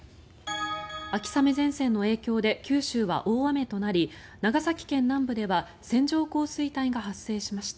秋雨前線の影響で九州は大雨となり長崎県南部では線状降水帯が発生しました。